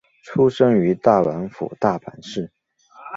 出身于大阪府大阪市。